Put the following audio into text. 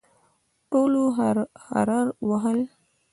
ټولو هررر وهل.